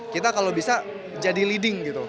kita kalau bisa jadi leading gitu